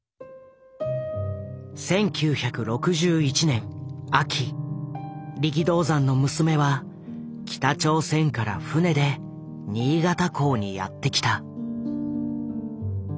１９６１年秋力道山の娘は北朝鮮から船で新潟港にやって来た。